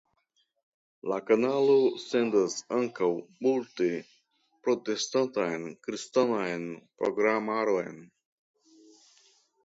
La kanalo sendas ankaŭ multe protestantan kristanan programaron.